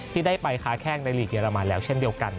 ที่ได้ไปค้าแข้งในหลีกเรมันแล้วเช่นเดียวกัน